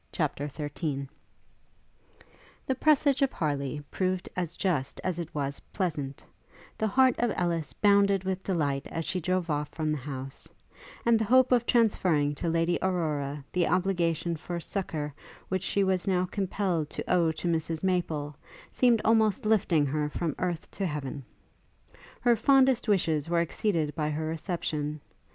CHAPTER XIII The presage of Harleigh proved as just as it was pleasant: the heart of Ellis bounded with delight as she drove off from the house; and the hope of transferring to Lady Aurora the obligation for succour which she was now compelled to owe to Mrs Maple, seemed almost lifting her from earth to heaven. Her fondest wishes were exceeded by her reception.